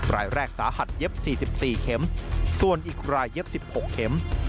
รายแรกสาหัสเย็บ๔๔เข็มส่วนอีกรายเย็บ๑๖เข็ม